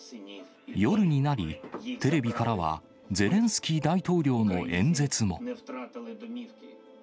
夜になり、テレビからはゼレンスキー大統領の演説も。